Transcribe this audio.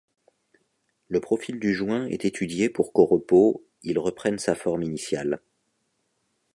Le profil du joint est étudié pour qu’au repos, il reprenne sa forme initiale.